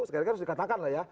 sekarang harus dikatakan lah ya